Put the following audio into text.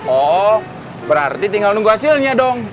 oh berarti tinggal nunggu hasilnya dong